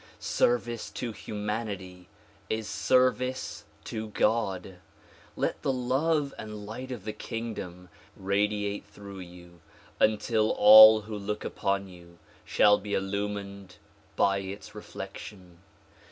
Service to humanity is service to God. Let the love and light of the kingdom radiate through you until all who look upon you shall be illumined by its reflection.